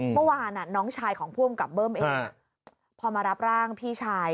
เมื่อวานน้องชายของผู้กำกับเบิ้มเองพอมารับร่างพี่ชาย